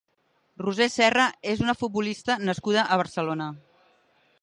Roser Serra és una futbolista nascuda a Barcelona.